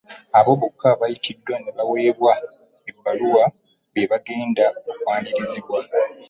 Abo bokka abayitiddwa ne baweebwa ebbaluwa be bagenda okwanirizibwa